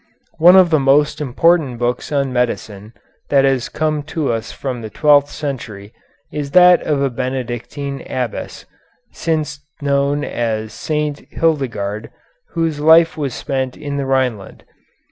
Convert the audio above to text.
One of the most important books on medicine that has come to us from the twelfth century is that of a Benedictine abbess, since known as St. Hildegarde, whose life was spent in the Rhineland.